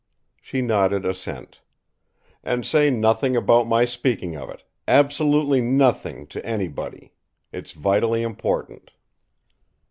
She nodded assent. "And say nothing about my speaking of it absolutely nothing to anybody? It's vitally important."